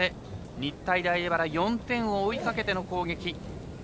日体大荏原４点を追いかけての攻撃。